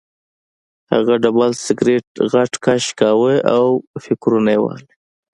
هغه ډبل سګرټ غټ کش کاوه او فکرونه یې وهل